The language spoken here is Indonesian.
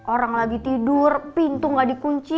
orang lagi tidur pintu gak dikunci